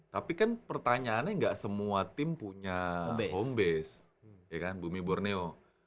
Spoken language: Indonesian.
tapi kan pertanyaannya nggak semua tim punya home base ya kan bumi borneo